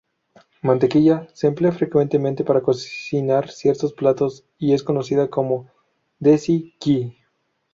Mantequilla: Se emplea frecuentemente para cocinar ciertos platos y es conocida como desi ghi.